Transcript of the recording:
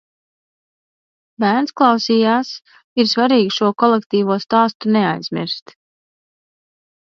Bērns klausījās. Ir svarīgi šo kolektīvo stāstu neaizmirst.